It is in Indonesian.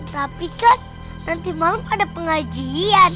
tapi kan nanti malam ada pengajian